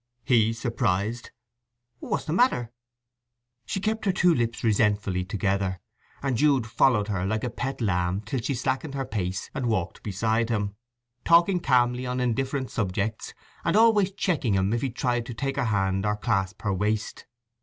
He, surprised: "What's the matter?" She kept her two lips resentfully together, and Jude followed her like a pet lamb till she slackened her pace and walked beside him, talking calmly on indifferent subjects, and always checking him if he tried to take her hand or clasp her waist.